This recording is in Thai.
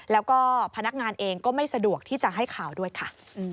แล้วก็พนักงานเองก็ไม่สะดวกที่จะให้ข่าวด้วยค่ะ